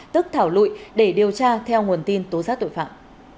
tức thảo lụy để điều tra theo nguồn tin tố giác tội phạm